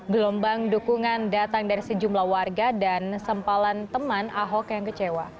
gelombang dukungan datang dari sejumlah warga dan sempalan teman ahok yang kecewa